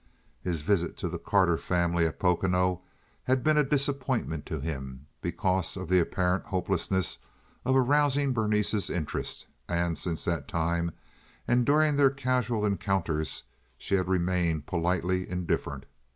His visit to the Carter family at Pocono had been a disappointment to him, because of the apparent hopelessness of arousing Berenice's interest, and since that time, and during their casual encounters, she had remained politely indifferent.